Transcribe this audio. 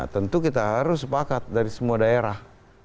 tentu kita harus sepakat dari semua daerah